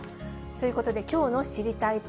ということで、きょうの知りたいッ！